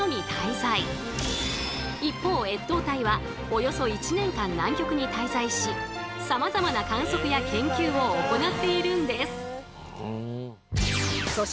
一方越冬隊はおよそ１年間南極に滞在しさまざまな観測や研究を行っているんです。